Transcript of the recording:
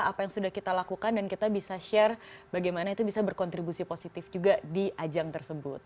apa yang sudah kita lakukan dan kita bisa share bagaimana itu bisa berkontribusi positif juga di ajang tersebut